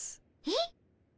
えっ？